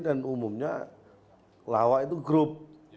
dan umumnya lawak itu grup